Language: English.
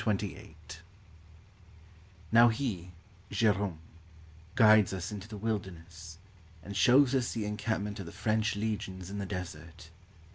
1824 1904) ''Now he [Gerome] guides us into the wilderness, and shows us the encampment of the French Legions in the desert.